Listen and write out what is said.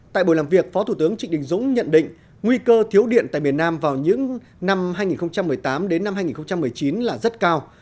tại buổi làm việc phó thủ tướng trịnh đình dũng nhận định nguy cơ thiếu điện tại miền nam vào những năm hai nghìn một mươi tám đến năm hai nghìn một mươi chín là rất cao